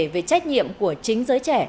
về trách nhiệm của chính giới trẻ